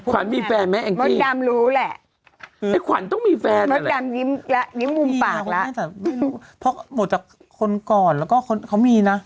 ขวัญมีแฟนไหมแองจริงมดดำรู้แหละ